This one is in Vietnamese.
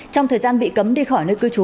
trong thời gian bị cấm đi khỏi nơi cư trú